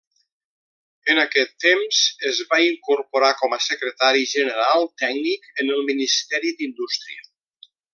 En aquest temps es va incorporar com a Secretari General Tècnic en el Ministeri d'Indústria.